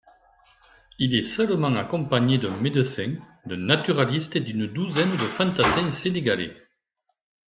Il est seulement accompagné d’un médecin, d’un naturaliste et d’une douzaine de fantassins sénégalais.